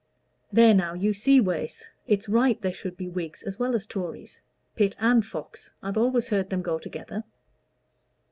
"There now, you see, Wace it's right there should be Whigs as well as Tories Pitt and Fox I've always heard them go together."